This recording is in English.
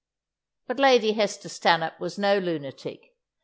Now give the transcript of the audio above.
But Lady Hester Stanhope was no lunatic.